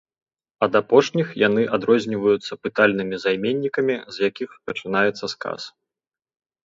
Ад апошніх яны адрозніваюцца пытальнымі займеннікамі, з якіх пачынаецца сказ.